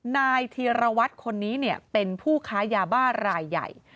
นายธีรวัตรคนนี้เป็นผู้ค้ายาบ้ารายใหญ่